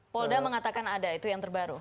polda mengatakan ada itu yang terbaru